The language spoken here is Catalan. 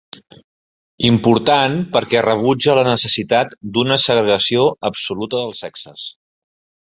Important perquè rebutja la necessitat d'una segregació absoluta dels sexes.